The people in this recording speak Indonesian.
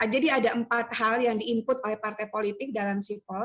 jadi ada empat hal yang di input oleh partai politik dalam simbol